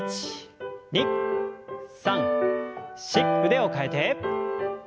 腕を替えて。